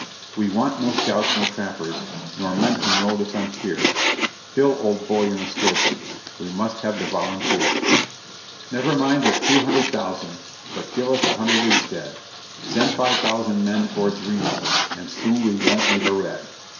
We want no scouts, no trappers, Nor men who know the frontier; Phil, old boy, you're mistaken, We must have the volunteer. Never mind that two hundred thousand But give us a hundred instead; Send five thousand men towards Reno, And soon we won't leave a red.